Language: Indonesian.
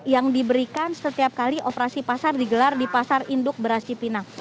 yang diberikan setiap kali operasi pasar digelar di pasar induk beras cipinang